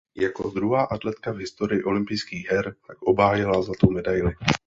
Jako druhá atletka v historii olympijských her tak obhájila zlatou medaili.